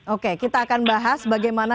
oke kita akan bahas bagaimana